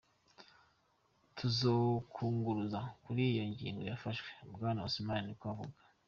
"Tuzokwunguruza kuri ino ngingo yafashwe," bwana Osman niko yavuze.